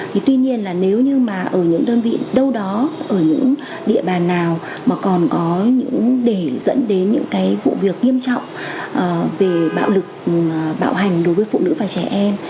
thì tuy nhiên là nếu như mà ở những đơn vị đâu đó ở những địa bàn nào mà còn có những để dẫn đến những cái vụ việc nghiêm trọng về bạo lực bạo hành đối với phụ nữ và trẻ em